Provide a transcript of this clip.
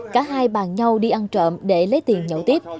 cả hai bàn nhau đi ăn trợm để lấy tiền nhậu tiếp